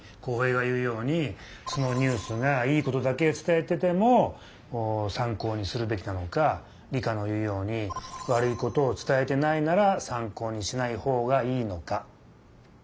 コーヘイが言うようにそのニュースがいいことだけ伝えてても参考にするべきなのかリカの言うように悪いことを伝えていないなら参考にしないほうがいいのか。